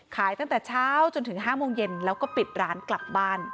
ตั้งแต่เช้าจนถึง๕โมงเย็นแล้วก็ปิดร้านกลับบ้าน